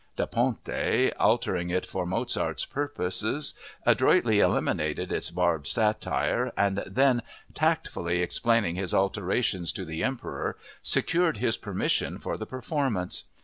Da Ponte, altering it for Mozart's purposes, adroitly eliminated its barbed satire and then, tactfully explaining his alterations to the Emperor, secured his permission for the performance.